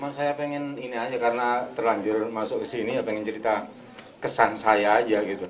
mas saya pengen ini aja karena terlanjur masuk kesini pengen cerita kesan saya aja gitu